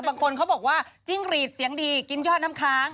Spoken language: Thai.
บางคนเขาบอกว่าจิ้งรีดเสียงดีกินยอดน้ำค้าง